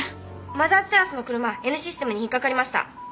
マザーズテラスの車Ｎシステムに引っかかりました。